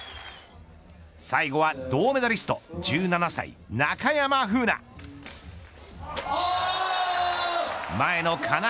最後は銅メダリスト１７歳、中山楓奈。